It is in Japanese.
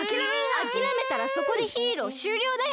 あきらめたらそこでヒーローしゅうりょうだよ！